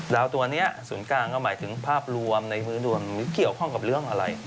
ดาวตัวนี้สูงกลางก็หมายถึงภาพรวมมันเกี่ยวข้องกับเรื่องอะไร